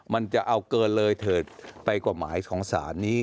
มันจะเอาเกินเลยเถิดไปกว่าหมายของศาลนี้